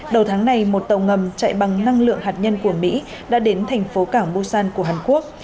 đầu tháng này một tàu ngầm chạy bằng năng lượng hạt nhân của mỹ đã đến thành phố cảng busan của hàn quốc